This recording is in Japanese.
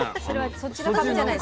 そっちの株じゃない。